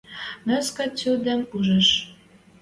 Мӧскӓ цӱдӓм ужеш: